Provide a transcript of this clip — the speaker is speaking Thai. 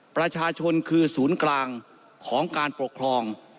ประชาชนคือศูนย์กลางของการปกครอง